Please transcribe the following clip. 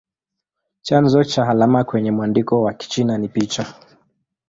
Chanzo cha alama kwenye mwandiko wa Kichina ni picha.